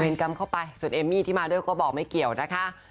กรรมเข้าไปส่วนเอมมี่ที่มาด้วยก็บอกไม่เกี่ยวนะคะ